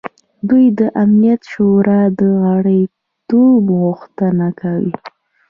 دوی د امنیت شورا د غړیتوب غوښتنه کوي.